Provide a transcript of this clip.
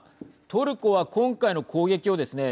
トルコは今回の攻撃をですね